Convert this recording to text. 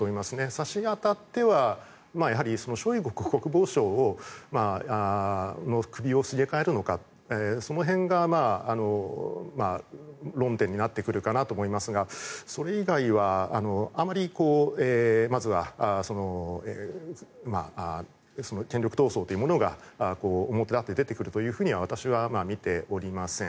差し当たってはやはりショイグ国防相の首をすげ替えるのかその辺が論点になってくるかなと思いますがそれ以外はあまりまずは権力闘争というものが表立って出てくるというふうには私は見ておりません。